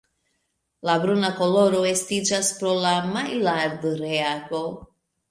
La bruna koloro estiĝas pro la Maillard-reago.